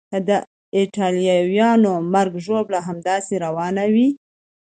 که د ایټالویانو مرګ ژوبله همداسې روانه وي.